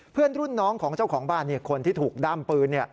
เพื่อนรุ่นน้องของเจ้าของบ้านคนที่ถูกด้ามปืน